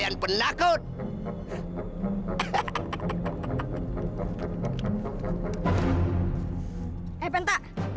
aku tak usah kak